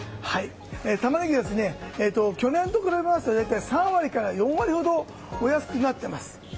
タマネギは、去年と比べますと大体３割から４割ほどお安くなっています。